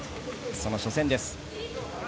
その初戦です。